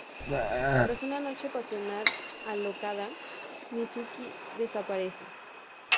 Tras una noche pasional alocada, Mizuki desaparece.